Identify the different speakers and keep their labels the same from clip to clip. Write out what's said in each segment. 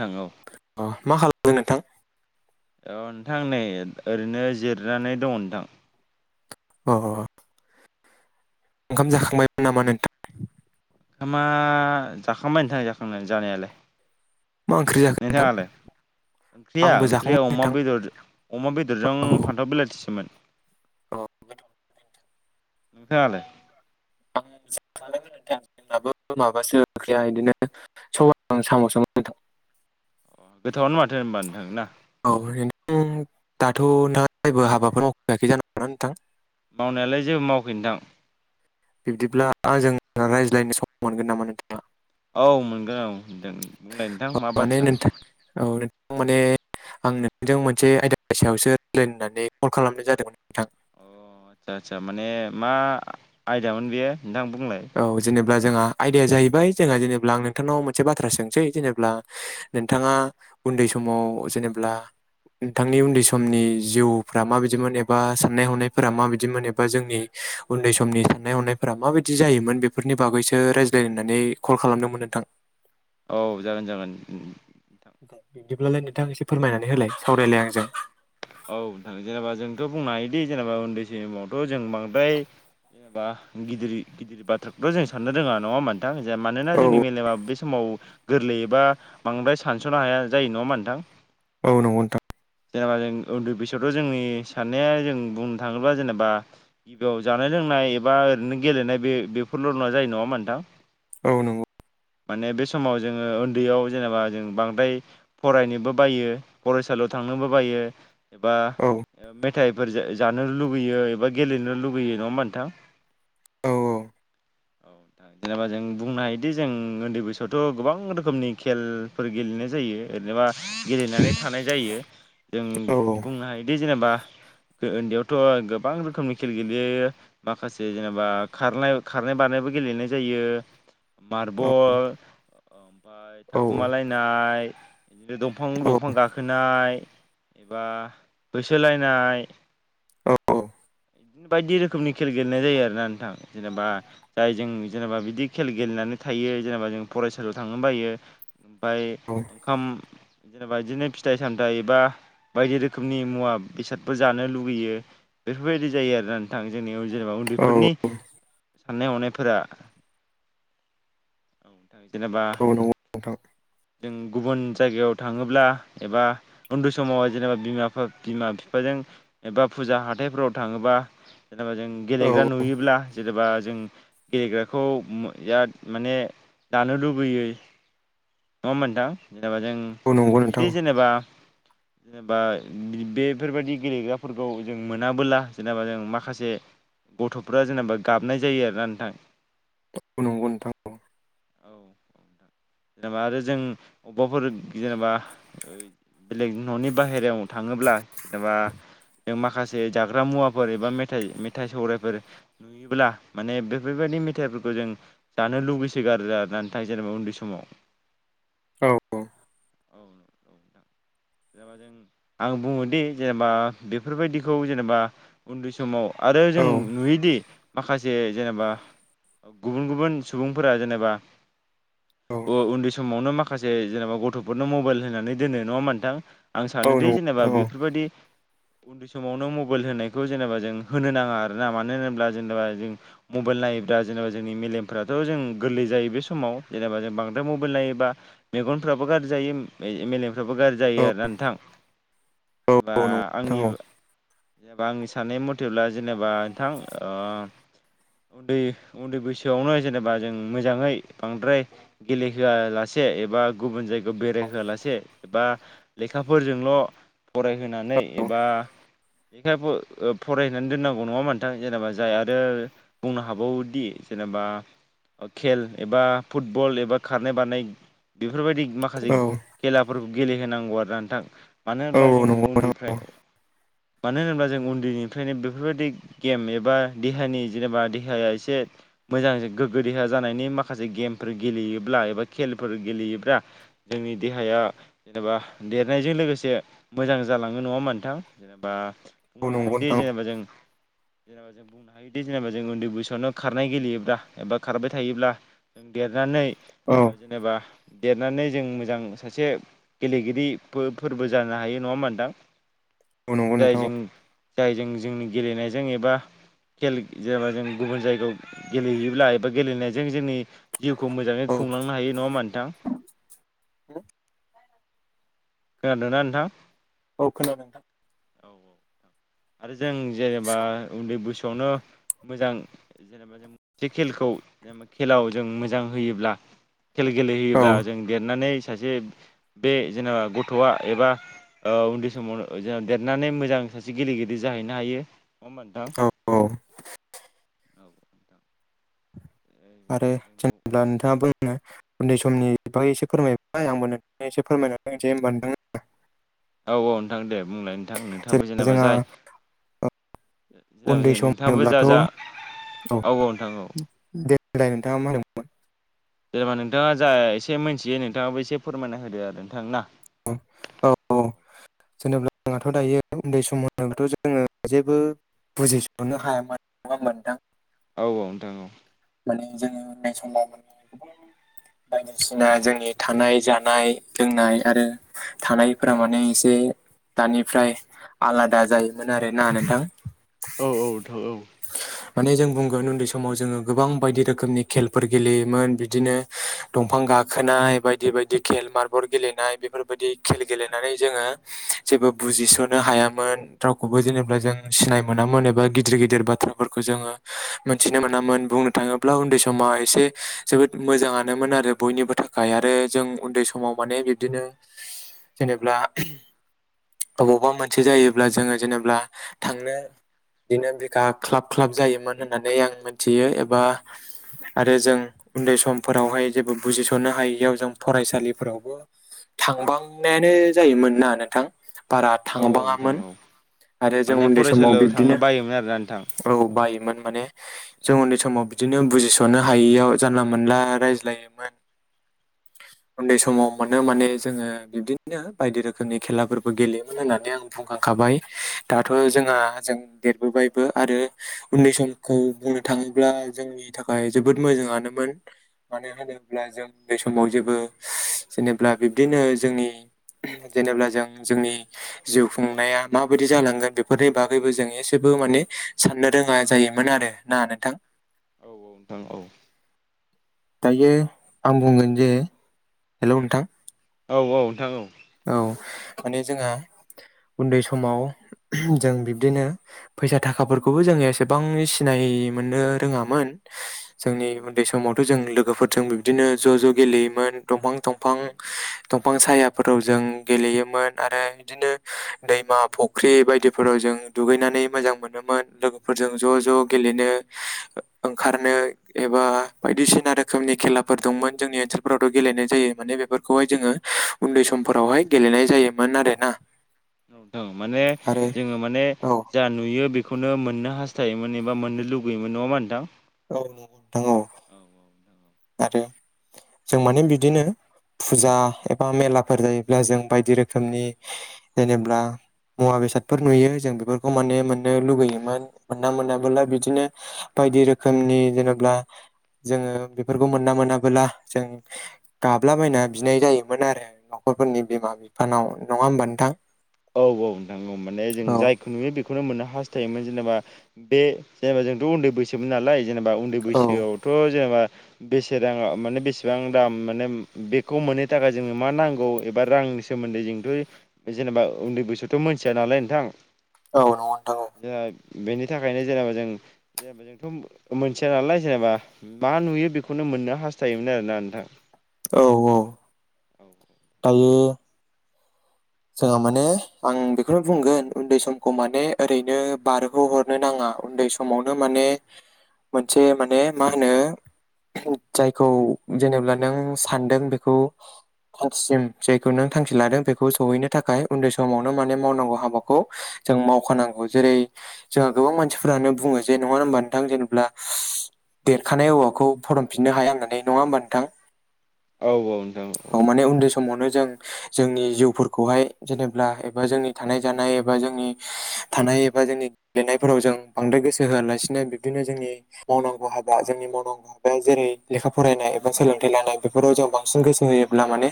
Speaker 1: नोंथां औ
Speaker 2: अ मा खालामदों नोंथां
Speaker 1: औ नोंथां नै ओरैनो जिरनानै दङ नोंथां
Speaker 2: अ ओंखाम जाखांबायमोन नामा नोंथां
Speaker 1: ओंखामा जाखांबाय नोंथां जाखांनाय जानायालाय
Speaker 2: मा ओंख्रि जाखो नोंथां
Speaker 1: नोंथाङालाय ओंख्रिया
Speaker 2: आंबो
Speaker 1: ओंख्रिया
Speaker 2: जाखांबाय
Speaker 1: अमा
Speaker 2: नोंथां
Speaker 1: बेदर अमा बेदरजों फान्थाव बिलाथिसोमोन
Speaker 2: अ
Speaker 1: नोंथाङालाय
Speaker 2: [unintelligible]
Speaker 1: [inaudible] गोथावानो माथो होनबा नोंथां ना
Speaker 2: [unintelligible]
Speaker 1: मावनायालाय जेबो मावाखै नोथां
Speaker 2: बिब्दिब्ला आंजों रायज्लायनो सम मोनगोन नामा नोंथां
Speaker 1: औ मोनगोन औ दे बुंलाय नोंथां
Speaker 2: अ
Speaker 1: मा
Speaker 2: माने
Speaker 1: बाथ्रा
Speaker 2: नोंथां औ नोंथां आं माने मोनसे आइदानि सायावसो रायलायनो होन्नानै कल खालामनाय जादोंमोन नोंथां।
Speaker 1: अ आदसा आदसा माने मा आयदामोन बेयो नोंथां बुंलाय
Speaker 2: औ जेनेब्ला जोंहा आयदाया जाहैबाय जोंहा जेनेबा आं नोंथांनाव मोनसे बाथ्रा सोंसै जेनेब्ला नोंथाङा उन्दै समाव जेनेब्ला नोंथांनि उन्दै समनि जिउफ्रा माबायदिमोन एबा साननाय हनायफोरा माबायदिमोन एबा जोंनि उन्दै समनि साननाय हनायफोरा माबाय दि जायोमोन बेफोरनि बागैसो रायज्लायनो होननानै कल खालामदोंमोन नोंथां।
Speaker 1: औ जागोन जागोन उम
Speaker 2: बिब्दिब्लालाय नोंथां एसे फोरमायनानै होलाय सावरायलाय आंजों
Speaker 1: औ नोंथां जेनेबा जोंथ' बुंनो हायोदि जेनेबा उन्दै समावथ' जों बांद्राय बा गिदिर गिदिर बाथ्राखौथ' जों साननो रोङा नङा होम्बा नोंथां जे मानोना
Speaker 2: औ
Speaker 1: जोंनि मेलेमा बे समाव गोरलैयोबा बांद्राय सानस'नो हाया जायो नङा होम्बा नोंथां
Speaker 2: औ नंगौ नोंथां
Speaker 1: जेनेबा जों उन्दै बैसोआवथ' जोंनि साननाया जों बुंनो थाङोब्ला जेनेबा गिबियाव जानाय लोंनाय नाय एबा ओरैनो गेलेनाय बे बेफोरल' नङा जायो नङा होम्बा नोंथां
Speaker 2: औ नंगौ
Speaker 1: माने बे समाव जोङो उन्दैयाव जेनेबा जों बांद्राय फरायनोबो बायो फरायसालियाव थांनोबो बायो एबा
Speaker 2: औ
Speaker 1: मेथाइ फोर जानो लुुबैयो एबा गेलेनो लुगैयो नङा होम्बा नोंथां
Speaker 2: औ
Speaker 1: जेनेबा जों बुंनो हायोदि जों उन्दै बैसोआवथ' गोबां रोखोमनि खेलफोर गेले लेनाय जायो ओनोबा गेलेनानै थानाय जायो। जों
Speaker 2: औ
Speaker 1: बुंनो हायोदि जेनेबा ओन्दैयावथ' गोबां रोखोमनि खेल गेलेयो माखासे जेनेबा खारनाय खारनाय बारनाय बो गेलेनाय जायो। मार्बल ओमफ्राय थाखुमालायनाय बिदिनो दंफां दंफां गाखोनाय एबा होसोलायनाय
Speaker 2: औ औ
Speaker 1: बायदि रोखोमनि खेल गेलेनाय जायो आरोना नोंथां जेनेबा जाय जों जेनेबा बिदि खेल गेलेना थायो जेनेबा जों फरायसालियाव थांनो बायो ओमफ्राय ओंखाम जेनेबा बिदिनो फिथाइ सामथाइ एबा बायदि रोखोमनि मुवा बेसादफोर जानो लुुबैयो बेफोर बेफोरबायदि जायो आरो ना नोंथां जोंनि जेनेबा
Speaker 2: औ
Speaker 1: उन्दैफोरनि साननाय हनायफोरा जेनेबा
Speaker 2: औ नंगौ नोंथां
Speaker 1: जों गुबुन जायगायाव थाङोब्ला एबा उन्दै समावहाय जेनेबा बिमा बिमा बिफाजों एबा फुजा हाथाइफोराव थाङोबा जेनेबा जों गेलेग्रा
Speaker 2: औ
Speaker 1: नुयोब्ला जेनेबा जों गेलेग्राखौ बिराद माने लानो लुबैयो नङा होनबा नोंथां जेनेबा जों
Speaker 2: औ नंगौ नोंथां
Speaker 1: नुयोदि जेनेबा जेनेबा बेफोरबायदि गेलेग्राफोरखौ जों मोनाबोला जेनेबा जों माखासे गथ'फ्रा जेनेबा गाबनाय जायो आरोना नोंथां।
Speaker 2: औ नंगौ नोंथां
Speaker 1: औ नोंथां जेनेबा आरो जों अबेबाफोर जेनेबा बेलेग न'नि बाहेरायाव थाङो थाङोब्ला जेनेबा जों माखासे जाग्रा मुवाफोर एबा मेथाइ मेथाइ सौरायफोर नुयोब्ला माने बेफोरबायदि नि मेथाइफोरखौ जों जानो लुुबैसो गारो आरोना‌ नोंथां जेनेबा उन्दै समाव
Speaker 2: औ औ
Speaker 1: औ औ औदां [inaudible] जेनेबा जों आं बुङोदि जेनेबा बेफोरबायदिखौ जेनेबा उन्दै समाव आरो
Speaker 2: औ
Speaker 1: जों नुयोदि माखासे जेनेबा गुबुन गुबुन सुबुंफोरा जेनेबा
Speaker 2: औ
Speaker 1: उन्दै समावनो माखासे जेनेबा गथ'फोरनो मबाइल होनानै दोनो नङा होमबा नोथां आं
Speaker 2: औ नंगौ
Speaker 1: सानोदि जेनेबा
Speaker 2: नोंथां औ
Speaker 1: बेफोरबायदि उन्दै समावनो मबाइल होनायखौ जेनेबा जों होनो नाङा आरोना मानो होनोब्ला जेनेबा जों मबाइल नाय नाय जेनेबा जोंनि मेलमफोराथ' जों गोरलै जायो बे समाव जेनेबा जों बांद्राय बांद्राय मबाइल नायोब्ला मेगनफ्राबो गाज्रि जायो मेलेम बे फ्राबो गाज्रि
Speaker 2: औ
Speaker 1: जायो आरोना नोंथां जेनेबा
Speaker 2: औ नंगौ नोंथां
Speaker 1: आंनि
Speaker 2: औ
Speaker 1: जेनेबा आंनि साननाय मथेब्ला जेनेबा नोंथां ओ उन्दै उन्दै बैसोआवनो जेनेबा जों मोजाङै बांद्राय गेलेहोआलासे एबा गुबुन जायगायाव बेरायहोआलासे एबा लेखाफोरजोंल' फरायहोनानै एबा लेखा ओ फरायहनानै दोननांगौ नङा होनबा नोंथां जेनेबा जाय आरो बुंनो हाबावोदि जेनेबा खेल एबा फुटबल एबा खारनाय बारनाय बेफोरबायदि माखासे
Speaker 2: औ
Speaker 1: खेलाफोरखौ गेलेहोनांगौ आरोना नोंथां मानो
Speaker 2: औ
Speaker 1: होनब्ला
Speaker 2: नंगौ नोंथां औ नंगौ
Speaker 1: जोङो
Speaker 2: नोंथां औ
Speaker 1: उन्दैफ्राय मानो होनोब्ला जों उन्दैनिफ्रायनो बेफोरबायदि गेम एबा देहानि जेनेबा देहाया एसे मोजां गोग्गो देहा जानायनि माखासे गेमफोर गेलेयो ब्ला एबा खेलफोर गेलेयोब्ला जोंनि देहाया जेनेबा देरनायजों लोगोसे मोजां जालाङो नङा होमबा नोंथां जेनेबा
Speaker 2: औ
Speaker 1: बुंनो हायोदिे जेनेबा जों जेनेबा जों बुंनो हायोदि जेनेबा जों उन्दै बैसोआवनो खारनाय गेलेयोब्ला एबा खारबाय थायोब्ला जों देरनानै ओ जेनेबा देरनानै जों मोजां सासे गेलेगिरि फोरबो जानो हायो नङा होमबा नोंथां
Speaker 2: औ नंगौ नोंथां औ
Speaker 1: जायजों जायजों जोंनि गेलेनायजों एबा खेल जेनेबा जों गुबुन जायगायाव गेलेहैयोब्ला एबा गेलेनायजों जोंनि जिउखौ मोजां
Speaker 2: औ
Speaker 1: खुंलांनो हायो नङा होमबा नोंथां खोनादोंना नोंथां
Speaker 2: औ खोनादों नोंथां
Speaker 1: आरो जों जेनेबा उन्दै बैसो आवनो मोजां जेनेबा जों मोनसे खेलखौ जेनेबा खेलायाव जों मोजां होयोब्ला खेल
Speaker 2: औ
Speaker 1: गेलेहैयोब्ला
Speaker 2: औ
Speaker 1: जों देरनानै सासे बे जेनेबा गथ'आ एबा ओ उन्दै समाव जेन देरनानै मोजां सासे बि गेलेगिरि जाहैनो हायो नङा होमबा नोंथां औथा उ [inaudible]
Speaker 2: आरो जेनेब्ला नोंथाङा बुंनो उन्दै समनि बै एसे फोरमायबाय आंबो नोंथा एसे फोरमाय फोरमायना होनोसै होनबा नोंथांनो
Speaker 1: औ औ नोंथां दे बुंलाय नोंथां नोंथाङो जेनेबा जाय जेनेबा
Speaker 2: उन्दै
Speaker 1: जे
Speaker 2: सम
Speaker 1: नोंथाङाबो जा
Speaker 2: होनोबब्लाथ'
Speaker 1: जा
Speaker 2: औ दे दहाय नोंथाङा मा होनदोंमोन
Speaker 1: जेनेबा नोंथाङा जा एसे मिथियो नोंथाङाबो एसे फोरमायना होदो आरो नोंथां ना
Speaker 2: औ जेनेब्ला आंहाथ' दायो उन्दै समथ' जोङो जेबो बुजिस'नो हायामोन नङा होंडा नोंथां
Speaker 1: औ औ नोंथां औ।
Speaker 2: माने जोङो उन्दै समाव [unintelligible] बायदिसिना जोंनि थानाय जानाय लोंनाय आरो थानायफोरा माने एसे दानिफ्राय आलादा जायोमोन आरोना नोथां।
Speaker 1: औ औ थां औ।
Speaker 2: माने जों बुंगोन उन्दै समाव जोङो गोबां बायदि रोखोमनि खेलफोर गेलेयोमोन बिदिनो दंफां गाखोनाय बायदि बायदि खेल मारबल गेलेनाय बेफोरबायदि खेल गेलेनानै जोङो जे बो बुजिस'नो हायामोन रावखौबो जेनेबा जों सिनाय मोनामोन एबा गिदिर गिदिर बाथ थ्राफोरखौ जोङो मोनथिनो मोनामोन बुंनो थाङोब्ला उन्दै समाव एसे जोबोद मोजाङानो मोन आरो बयनिबो थाखाय आरो जों उन्दै समाव माने बिबदिनो जेनेब्ला अबावबा मोनसे जायोब्ला जोङो जेनेब्ला थांनो दिनो [unintelligible] ख्लाब ख्लाब जायोमोन होननानै आं मिथियो एबा आरो जों उन्दै समफोरावहाय जेबो बुजिस'नो हायैयाव जों फरायसालिफोरावबो थांबांनायानो जायोमोन ना नोंथां? बारा
Speaker 1: औ नोंथां
Speaker 2: थांबाङामोन
Speaker 1: औ
Speaker 2: आरो जों
Speaker 1: माने
Speaker 2: उन्दै समाव
Speaker 1: फरायसालियाव थांनो
Speaker 2: बिब्दिनो
Speaker 1: बायोमोन आरोना नोंथां
Speaker 2: औ बायोमोन माने जों उन्दै सम समाव बिदिनो बुजिस'नो हायैयाव जानला मोनला रायज्लायोमोन
Speaker 1: [inaudible]
Speaker 2: उन्दै समाव मोनो माने जोङो बिब्दिनो बायदि रोखोमनि खेलाफोरबो गेलेयोमोन होननानै आं बुंखां खाबाय दाथ' जोंहा जों देरबोबाय बो आरो उन्दै समखौ बुंनो थाङोब्ला जोंनि थाखाय जोबोद मोजाङानोमोन। मानो होनोब्ला जों उन्दै समाव जेबो जेनेबा बिब्दिनो जोंनि जेनेब्ला जों जोंनि जिउ खुंनाया माबायदि जालांगोन बेफोरनि बागैबो जों एसेबो माने साननो रोङा जायोमोन आरो ना नोंथां?
Speaker 1: औ औ।
Speaker 2: दायो आं बुंगोन जे हेल' नोंथां।
Speaker 1: औ औ नोंथां औ।
Speaker 2: औ माने जोंहा उन्दै समाव जों बिब्दिनो फैसा थाखाफोरखौबो जोङो एसेबां सिनाय मोननो रोङामोन।
Speaker 1: [inaudible]
Speaker 2: जोंनि उन्दै समावथ' जों लोगोफोरजों बिब्दिनो ज' ज' गेलेयोमोन। दंफां दंफां दंफां साया फोराव जों गेलेयोमोन आरो बिदिनो दैमा फुख्रि बायदिफोराव जों दुगैना नै मोजां मोनोमोन लोगोफोरजों ज' ज' गेलेनो ओंखारनो एबा बायदिसिना रोखोमनि खेलाफोर दंमोन जोंनि ओनसोलफोरावथ' गेलेनाय जायो माने बेफोरखौहाय जोङो उन्दै समफोरावहाय गेलेनाय जायोमोन आरोना।
Speaker 1: औ माने
Speaker 2: आरो
Speaker 1: जोङो माने
Speaker 2: औ
Speaker 1: जा नुयो बे खौनो मोननो हास्थायोमोन एबा मोननो लुगैयोमोन नङा होमबा नोंथां?
Speaker 2: औ नंगौ
Speaker 1: नोंथां औ
Speaker 2: आरो जों माने बिदिनो फुजा एबा मेलाफोर जायोब्ला जों बायदि रोखोमनि जेनेब्ला मुवा बेसादफोर नुयो जों बेफोरखौ माने मोननो लुगैयोमोन मोना मोनाबोला बिदिनो बायदि रोखोमनि जेनेब्ला जोङो बेफोरखौ मोनना मोनाबोला जों गाबलाबायना बिनाय जायोमोन आरो न'खरफोरनि बिमा बिफानाव नङा होमबा नोंथां?
Speaker 1: औ औ नोंथां औ माने जों
Speaker 2: औ
Speaker 1: जायखौ नुयो बे खौनो मोननो हास्थायोमोन जेनेबा बे जेनेबा जोंथ' उन्दै बैसोमोन नालाय जेनेबा उन्दै
Speaker 2: औ
Speaker 1: बैसोआवथ' जेनेबा बेसे राङा माने बेसेबां दाम माने बेखौ मोनै थाखाय जोंनो मा नांगौ एबा रां नि सोमोन्दै जिंथ' जेनेबा उन्दै बैसोथ' मोनथिया नालाय नोंथां।
Speaker 2: औ नंगौ नोंथां औ।
Speaker 1: जोंहा बेनि थाखायनो जेनेबा जों जेनेबा जोंथ' मोनथिया नालाय जेनेबा मा नुयो बेखौनो मोननो हास्थायोमोन आरोना नोंथां।
Speaker 2: औ औ
Speaker 1: औ औ [inaudible]
Speaker 2: ओ जोंहा माने आं बेखौनो बुंगोन उन्दै समखौ माने ओरैनो बारग' हरनो नाङा। उन्दै समावनो माने मोनसे माने मा होनो जायखौ जेनेब्ला नों सानदों बेखौ थांखिसिम जायखौ नों थांखि लादों बेखौ सहैनो थाखाय उन्दै समावनो माने मावनांगौ हाबाखौ जों मावखानांगौ जेरै जोंहा गोबां मानसिफोरानो बुङो जे नङा होनोमबा नोंथां जेनेब्ला देरखानाय औवाखौ फदमफिननो हाया होननानै। नङा होमबा नोंथां?
Speaker 1: औ औ नोंथां औ
Speaker 2: माने उन्दै समावनो जों जोंनि जिउफोर खौहाय जेनेब्ला एबा जोंनि थानाय जानाय एबा जोंनि थानाय एबा जोंनि गेलेनायफोराव जों बांद्राय गोसो होआलासिनो बिबदिनो जोंनि मावनांगौ हाबा जोंनि मावनांगौ हाबाया जेरै लेखा फराय नाय सोलोंथाय लानाय बेफोराव जों बांसिन गोसो होयोब्ला माने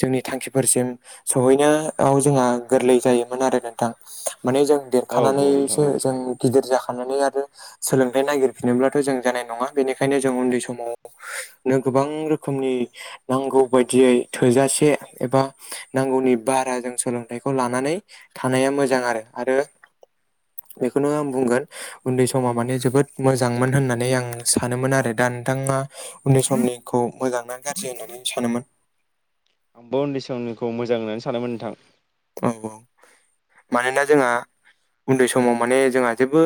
Speaker 2: जोंनि थांखिफोरसिम सहैनायाव जोंहा गोरलै जायोमोन आरो नोंथां। माने जों
Speaker 1: औ औ नोंथां
Speaker 2: देरखानानैसो
Speaker 1: औ
Speaker 2: जों गिदिर जाख नानै आरो सोलोंथाइ नागिरफिनोब्लाथ' जों जानाय नङा बेनिखायनो जों उन्दै समावनो गोबां रोखोमनि नांगौ बायदियै थोजासे एबा नांगौनि बारा जों सोलोंथाइखौ लानानै थानाया मोजां आरो आरो बेखौनो आं बुंगोन उन्दै समा माने जोबोद मोजांमोन होननानै आं सानोमोन आरो दा नोंथाङा उन्दैनि समनिखौ मोजां ना गाज्रि होननानै सानोमोन?
Speaker 1: आंबो उन्दै समनिखौ मोजां होननानै सानोमोन नोंथां।
Speaker 2: नंगौ मानोना जोंहा उन्दै समाव माने जोंहा जेबो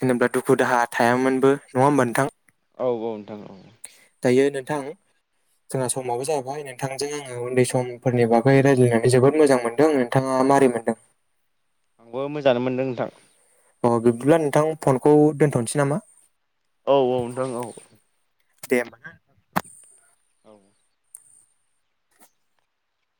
Speaker 2: जेनेबा दुखु दाहा थायामोनबो। नङा होमबा नोंथां?
Speaker 1: औ औ नोंथां औ
Speaker 2: दायो नोंथां जोंहा समाबो जाबाय नोंथांजों आङो उन्दै समफोरनि बागै रायज्लायनानै जोबोद मोजां मोनदों नोंथाङा मारै मोनदों?
Speaker 1: आंबो मोजांआनो मोनदों नोंथां।
Speaker 2: अ बिब्दिब्ला नोंथां फनखौ दोनथ'नोसै नामा?
Speaker 1: औ औ नोंथां औ
Speaker 2: दे ओमबा ना
Speaker 1: औ